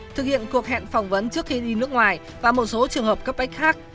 thực hiện cuộc hẹn phỏng vấn trước khi đi nước ngoài và một số trường hợp cấp bách khác